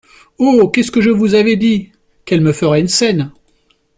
Oh ! qu’est-ce que je vous avais dit ! qu’elle me ferait une scène !